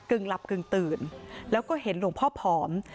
หลับกึ่งตื่นแล้วก็เห็นหลวงพ่อผอม